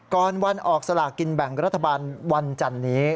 ก่อนวันออกสลากินแบ่งรัฐบาลวันจันนี้